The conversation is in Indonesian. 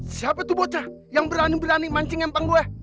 siapa tuh bocah yang berani berani mancing empang gue